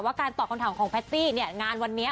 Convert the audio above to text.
ว่าการตอกตอบข้อมันของและแพ็ตตี้งานวันเนี่ย